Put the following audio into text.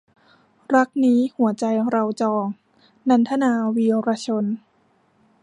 รักนี้หัวใจเราจอง - นันทนา วีระชน